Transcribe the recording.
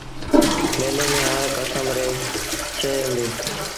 ميلي ميݩ هر ڪسم ريٚ شئي هُݩديٚ۔